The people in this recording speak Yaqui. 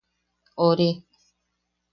¡Ori!